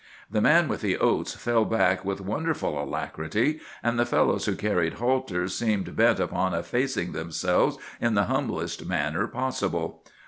"The man with the oats fell back with wonderful alacrity, and the fellows who carried halters seemed bent upon effacing themselves in the humblest manner possible.